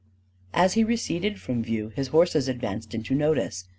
As he receded from view, his horses advanced into notice.